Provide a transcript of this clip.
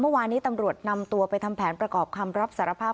เมื่อวานนี้ตำรวจนำตัวไปทำแผนประกอบคำรับสารภาพ